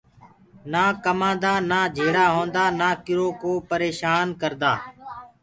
نآ ڪمآندآ نآ جھيڙآ هوندآ نآ ڪروڪوُ پريشآن ڪردآ